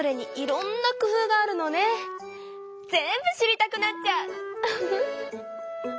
全部知りたくなっちゃう！